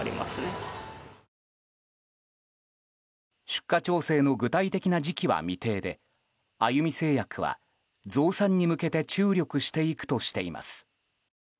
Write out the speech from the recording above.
出荷調整の具体的な時期は未定であゆみ製薬は、増産に向けて注力していくとしています。